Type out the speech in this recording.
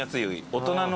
大人の。